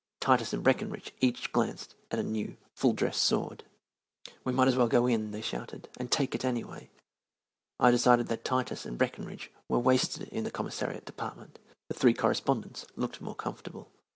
Titus and Breckenridge each glanced at a new, full dress sword. "We might as well go in," they shouted, "and take it anyway!" I decided that Titus and Breckenridge were wasted in the Commissariat Department. The three correspondents looked more comfortable.